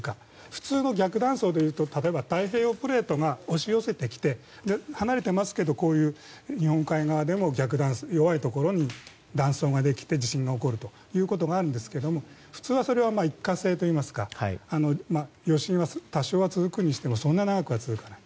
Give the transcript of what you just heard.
普通は逆断層でいうと例えば太平洋プレートが押し寄せてきて離れていますが、日本海側でも弱いところに断層ができて地震が起こるということがあるんですけど普通はそれは一過性といいますか余震は多少は続くにしてもそんなに長くは続かない。